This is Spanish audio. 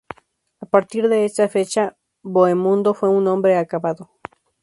A partir de esa fecha Bohemundo fue un hombre acabado.